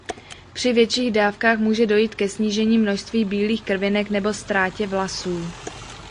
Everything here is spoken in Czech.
Při větších dávkách může dojít ke snížení množství bílých krvinek nebo ztrátě vlasů.